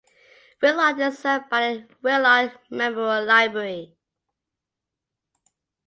Willard is served by the Willard Memorial Library.